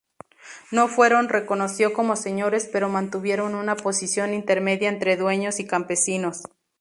No fueron reconoció como señores pero mantuvieron una posición intermedia entre dueños y campesinos.